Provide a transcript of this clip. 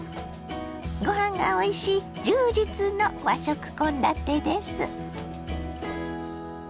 ごはんがおいしい充実の和食献立です。